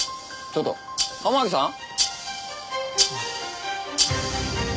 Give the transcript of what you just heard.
ちょっと天樹さん？